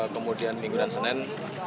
kemudian minggu dan senin